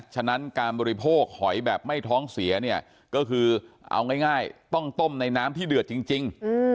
ฉะนั้นการบริโภคหอยแบบไม่ท้องเสียเนี่ยก็คือเอาง่ายต้องต้มในน้ำที่เดือดจริง